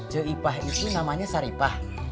cik ipa itu namanya saripah